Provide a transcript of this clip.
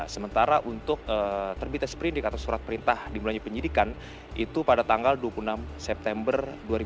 sementara untuk terbitnya seperindik atau surat perintah dimulainya penyidikan itu pada tanggal dua puluh enam september dua ribu dua puluh